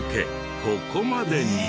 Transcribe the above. ここまでに。